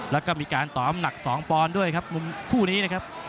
แล้วก็มีการต่ออำหนัก๒ปอนด์ด้วยครับมุมคู่นี้นะครับ